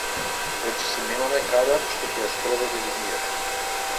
Речиси немаме кадар што ќе ја спроведе линијата.